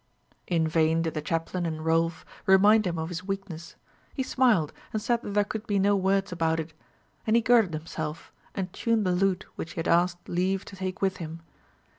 In vain did the chaplain and Rolf remind him of his weakness: he smiled, and said that there could be no words about it; and he girded himself, and tuned the lute which he had asked leave to take with him.